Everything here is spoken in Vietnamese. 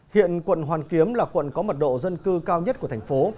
hiện quận hoàn kiếm là quận có mật độ dân cư cao nhất của thành phố